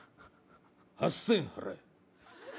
８０００円払え。